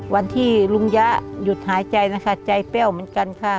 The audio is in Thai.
วันที่ลุงยะหยุดหายใจนะคะใจแป้วเหมือนกันค่ะ